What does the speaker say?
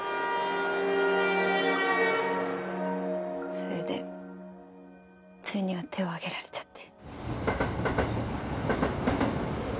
それでついには手を上げられちゃって。